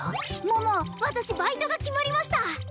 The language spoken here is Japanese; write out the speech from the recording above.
桃私バイトが決まりましたうん？